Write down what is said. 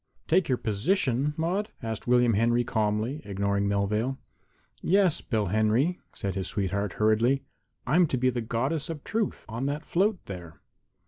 "Take your position, Maude?" asked William Henry calmly, ignoring Melvale. "Yes, Bill Henry," said his sweetheart, hurriedly; "I'm to be the Goddess of Truth on that float there."